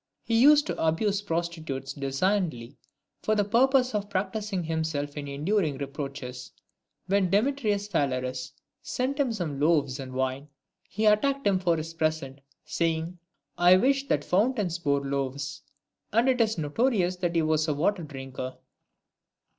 He used to abuse prostitutes designedly, for the purpose of practising himself in enduring reproaches. When 252 LIVES OF EMINENT PHILOSOPHERS. Demetrius Phalereus sent him some loaves and wine, he attacked him for his present, saying, " I wish that the foun tains bore loaves ;" and it is notorious that he was a water drinker.